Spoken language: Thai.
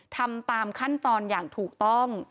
ทำตามขั้นตอนอย่างถูกต้อง